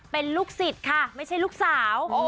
เป็นลูกศิษย์ค่ะไม่ใช่ลูกสาว